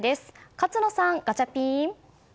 勝野さん、ガチャピン。